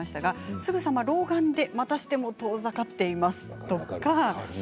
すぐさま老眼で、またしても遠ざかっています。